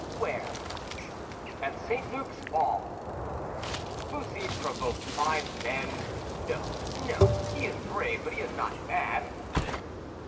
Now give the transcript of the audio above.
"Where?" "At St. Luc's ball." "Bussy provoked five men? No, no, he is brave, but he is not mad."